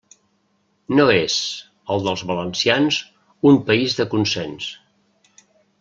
No és, el dels valencians, un país de consens.